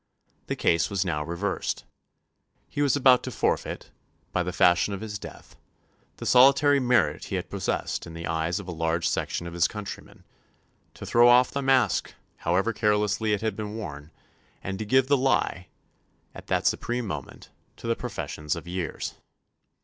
The case was now reversed. He was about to forfeit, by the fashion of his death, the solitary merit he had possessed in the eyes of a large section of his countrymen; to throw off the mask, however carelessly it had been worn; and to give the lie, at that supreme moment, to the professions of years.